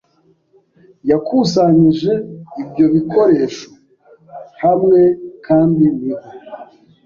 yakusanyije ibyo bikoresho hamwe kandi niho